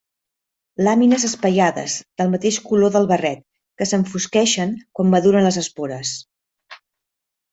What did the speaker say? Làmines espaiades, del mateix color del barret, que s'enfosqueixen quan maduren les espores.